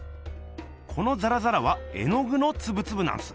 このザラザラは絵のぐのツブツブなんす。